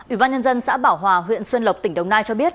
tám mươi ủy ban nhân dân xã bảo hòa huyện xuân lộc tỉnh đồng nai cho biết